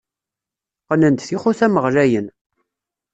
Qqnen-d tixutam ɣlayen.